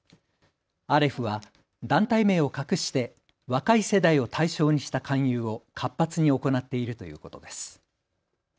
アレフは団体名を隠して若い世代を対象にした勧誘を活発に行っているということです。